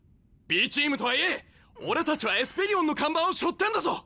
Ｂチームとはいえ俺たちはエスペリオンの看板をしょってんだぞ！